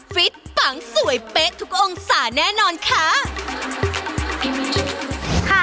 ฟิตปังสวยเป๊ะทุกองศาแน่นอนค่ะ